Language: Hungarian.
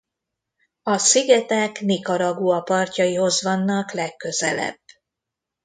A szigetek Nicaragua partjaihoz vannak legközelebb.